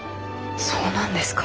そうなんですか？